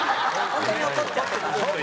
本当に怒っちゃってたんだ。